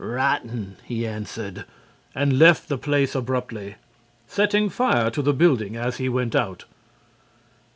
"Rotten!" he answered, and left the place abruptly, setting fire to the building as he went out.